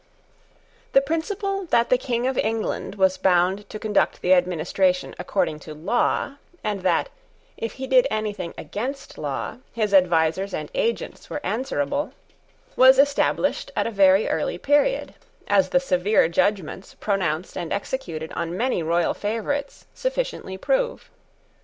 The principle that the King of England was bound to conduct the administration according to law, and that, if he did anything against law, his advisers and agents were answerable, was established at a very early period, as the severe judgments pronounced and executed on many royal favourites sufficiently prove.